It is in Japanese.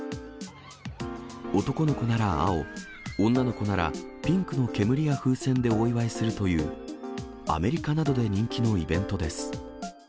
男の子なら青、女の子ならピンクの煙や風船でお祝いするという、アメリカなどで人気のイベントです。